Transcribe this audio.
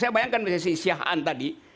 saya bayangkan misalnya siahaan tadi